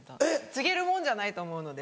継げるもんじゃないと思うので。